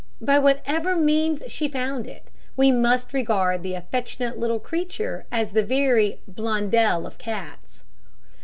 By whatever means she found it, we must regard the affectionate little creature as the very "Blondel of cats."